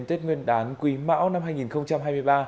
tết nguyên đán quý mão năm hai nghìn hai mươi ba